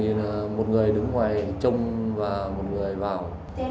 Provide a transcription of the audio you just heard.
em phân công thì một người đứng ngoài trông và một người vào